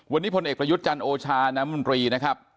วันนี้พลเอกประยุทธิ์จรรย์โอชานำรีนะครับ